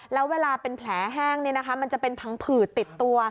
แล้วเวลาเป็นแผลแห้งมันจะเป็นพังผืดติดตัว